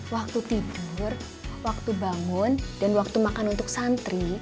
waktu tidur waktu bangun dan waktu makan untuk santri